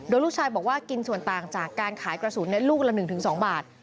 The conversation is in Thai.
โดยลูกชายบอกว่ากินส่วนต่างจากการขายกระสุนลูกละ๑๒บาท